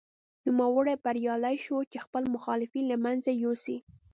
نوموړی بریالی شو چې خپل مخالفین له منځه یوسي.